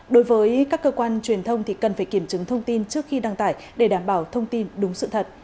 đối với các cơ quan truyền thông thì cần phải kiểm chứng thông tin trước khi đăng tải để đảm bảo thông tin đúng sự thật